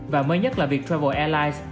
và mới nhất là viettravel airlines